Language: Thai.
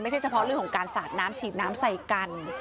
เฉพาะเรื่องของการสาดน้ำฉีดน้ำใส่กัน